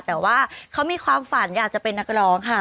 แต่ว่าเขามีความฝันอยากจะเป็นนักร้องค่ะ